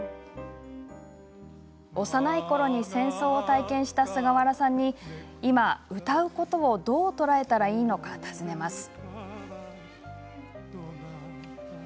幼いころに戦争を体験した菅原さんに今、歌うことをどう捉えたらいいのか尋ねます。